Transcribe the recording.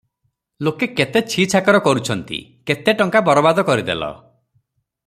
ଲୋକେ କେତେ ଛି ଛାକର କରୁଛନ୍ତି, କେତେ ଟଙ୍କା ବରବାଦ କରିଦେଲ!